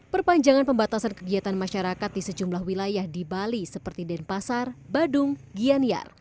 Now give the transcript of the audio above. perpanjangan pembatasan kegiatan masyarakat di sejumlah wilayah di bali seperti denpasar badung gianyar